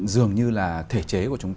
dường như là thể chế của chúng ta